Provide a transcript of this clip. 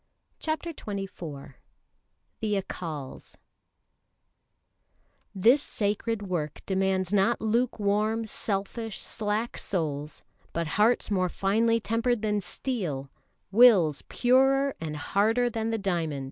CHAPTER XXIV The Accals "This sacred work demands not lukewarm, selfish, slack souls, but hearts more finely tempered than steel, wills purer and harder than the diamond."